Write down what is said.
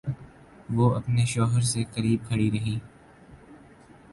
وہ اپنے شوہر سے قریب کھڑی رہی۔